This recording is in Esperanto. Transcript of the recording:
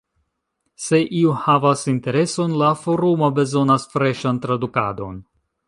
Se iu havas intereson, la forumo bezonas freŝan tradukadon.